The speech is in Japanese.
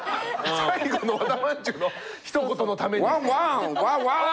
最後の和田まんじゅうのひと言のために。